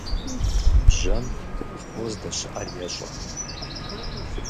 Бжьэм фо здэщыIэр ещIэ.